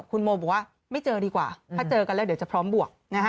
คุณโมบอกว่าไม่เจอดีกว่าถ้าเจอกันแล้วเดี๋ยวจะพร้อมบวก